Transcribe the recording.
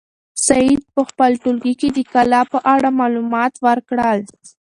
سعید په خپل ټولګي کې د کلا په اړه معلومات ورکړل.